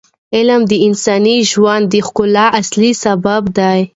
علم د انساني ژوند د ښکلا اصلي سبب دی.